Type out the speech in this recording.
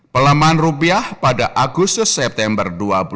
pelemahan rupiah pada agustus september dua ribu dua puluh